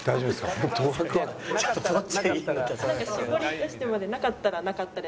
なんか絞り出してまでなかったらなかったで。